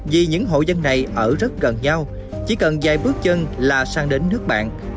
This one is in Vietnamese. vì những hộ dân này ở rất gần nhau chỉ cần vài bước chân là sang đến nước bạn